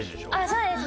そうです。